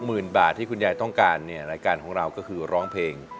หมื่นบาทที่คุณยายต้องการเนี่ยรายการของเราก็คือร้องเพลง